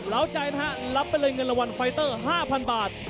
้าวใจนะฮะรับไปเลยเงินรางวัลไฟเตอร์๕๐๐บาท